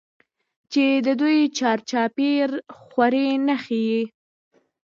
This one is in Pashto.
چې د دوى چار چاپېر خورې نښي ئې